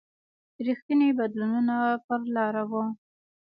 رښتیني بدلونونه پر لاره و.